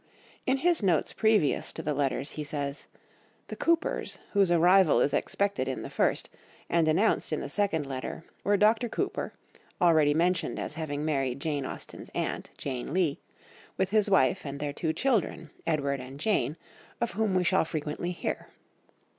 In his notes previous to the letters he says, "The Coopers, whose arrival is expected in the first, and announced in the second letter, were Dr. Cooper, already mentioned as having married Jane Austen's aunt, Jane Leigh, with his wife and their two children, Edward and Jane, of whom we shall frequently hear."